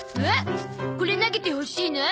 これ投げてほしいの？